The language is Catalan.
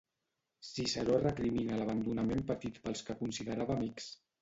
Ciceró recrimina l’abandonament patit pels que considerava amics.